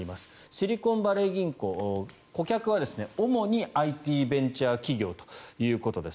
シリコンバレー銀行顧客は主にＩＴベンチャー企業ということです。